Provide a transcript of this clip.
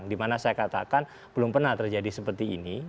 di mana saya katakan belum pernah terjadi seperti ini